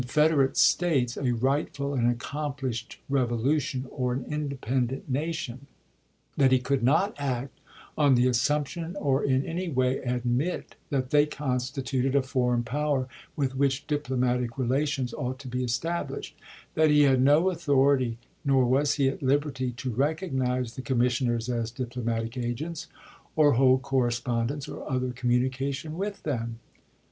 federate States " a rightful and accomplished rev olution or an independent nation; that he could not act on the assumption or in any way admit that they constituted a foreign power with which diplomatic relations ought to be established ; that he had no authority, nor was he at liberty, to rec ognize the commissioners as diplomatic agents, or hold correspondence or other communication with them.